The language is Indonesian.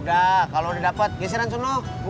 terserah aku akan pergi ngejari corona lu